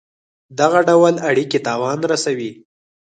دغه ډول اړېکي تاوان رسوي.